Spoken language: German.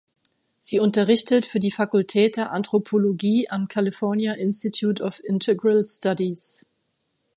Sie unterrichtet für die Fakultät der Anthropologie am California Institute of Integral Studies.